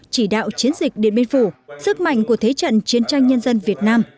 chỉ đạo chiến dịch điện biên phủ sức mạnh của thế trận chiến tranh nhân dân việt nam